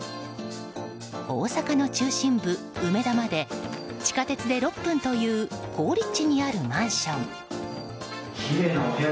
大阪の中心部梅田まで地下鉄で６分という好立地にあるマンション。